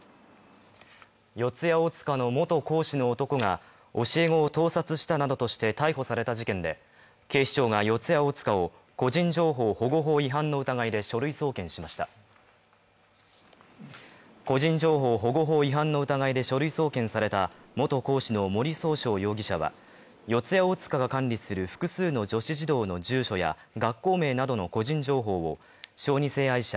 四谷大塚の元講師の男が教え子を盗撮したなどとして逮捕された事件で、警視庁が四谷大塚を個人情報保護法違反の疑いで書類送検しました個人情報保護法違反の疑いで書類送検された元講師の森崇翔容疑者は四谷大塚が管理する複数の女子児童の住所や学校名などの個人情報を小児性愛者